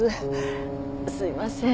すいません